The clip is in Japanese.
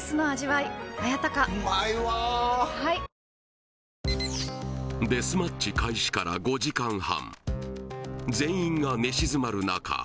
ニトリデスマッチ開始から５時間半全員が寝静まる中